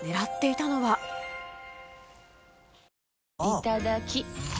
いただきっ！